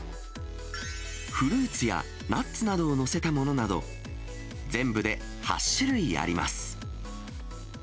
フルーツやナッツなどを載せたものなど、全部で８種類あります。